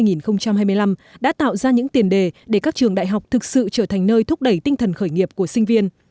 đề án một nghìn sáu trăm sáu mươi năm đã tạo ra những tiền đề để các trường đại học thực sự trở thành nơi thúc đẩy tinh thần khởi nghiệp của sinh viên